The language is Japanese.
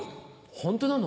ホントなの？